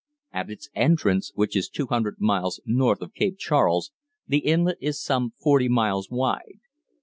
At its entrance, which is two hundred miles north of Cape Charles, the inlet is some forty miles wide.